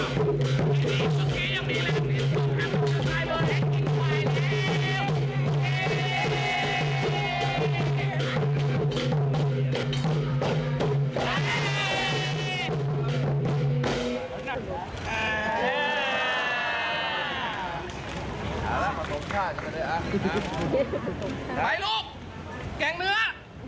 ของชาติก็ได้ไปลูกแกล้งเนื้อ